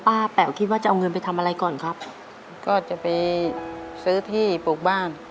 แป๋วคิดว่าจะเอาเงินไปทำอะไรก่อนครับก็จะไปซื้อที่ปลูกบ้าน